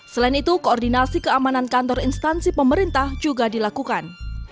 selain itu koordinasi keamanan kantor instansi pemerintah juga dilakukan